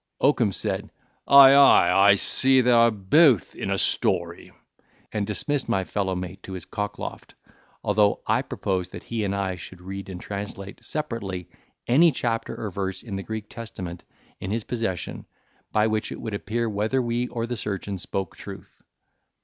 Oakum said, "Ay, ay, I see they are both in a story;" and dismissed my fellow mate to his cockloft, although I proposed that he and I should read and translate, separately, any chapter or verse in the Greek Testament in his possession, by which it would appear whether we or the surgeon spoke truth.